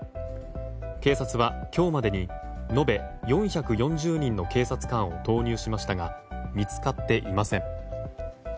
警察は今日までに延べ４４０人の警察官を投入しましたが見つかっていません。